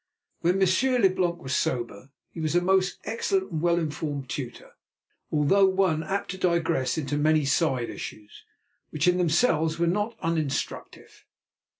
When Monsieur Leblanc was sober, he was a most excellent and well informed tutor, although one apt to digress into many side issues, which in themselves were not uninstructive.